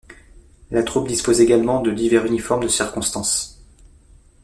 La troupe dispose également de divers uniformes de circonstance.